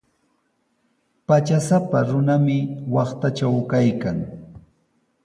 Patrasapa runami waqtatraw kaykan.